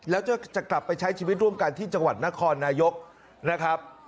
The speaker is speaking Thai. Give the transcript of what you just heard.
แล้วจะกลับไปใช้ชีวิตร่วมกันที่จังหวัดนครนายกนะครับ